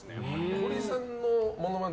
ホリさんのモノマネ